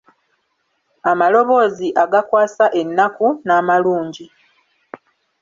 Amaloboozi agakwasa ennaku n'amalungi..